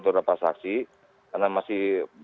beberapa saksi karena masih